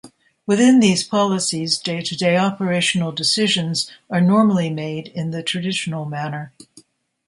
Within these policies, day-to-day operational decisions are normally made in the traditional manner.